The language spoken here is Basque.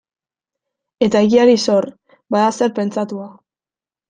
Eta egiari zor, bada zer pentsatua.